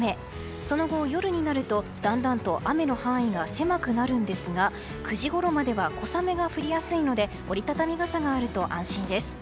その後夜になると、段々と雨の範囲が狭くなるんですが９時ごろまでは小雨が降りやすいので折り畳み傘があると安心です。